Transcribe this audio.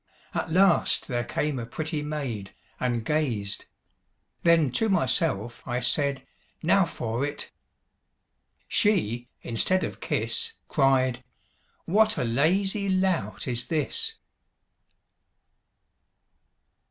At last there came a pretty maid, And gazed; then to myself I said, 'Now for it!' She, instead of kiss, Cried, 'What a lazy lout is this!'